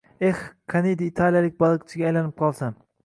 Eh, qaniydi, italiyalik baliqchiga aylanib qolsam.